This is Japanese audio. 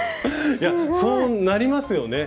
いやそうなりますよね。